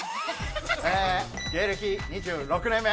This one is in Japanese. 芸歴２６年目。